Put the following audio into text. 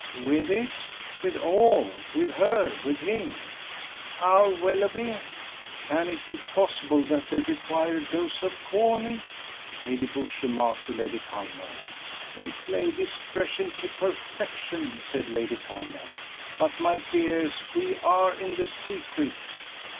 "With it? with all! with her! with him!" "Our Willoughby?" "Can it be possible that they require a dose of Corney?" Lady Busshe remarked to Lady Culmer. "They play discretion to perfection," said Lady Culmer. "But, my dears, we are in the secret."